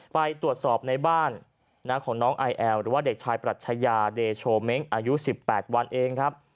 ไปตรวจสอบในบ้านของน้องไอแอลหรือว่าเด็กชายปรัชญาเดโชเม้งอายุ๑๘วันเองครับ